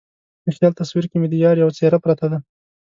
د خیال تصویر کې مې د یار یوه څیره پرته ده